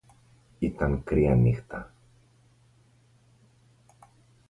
Ήταν κρύα νύχτα.